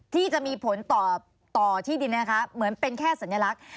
ที่จะมีผลต่อที่ดินเหมือนเป็นแค่สัญลักษณ์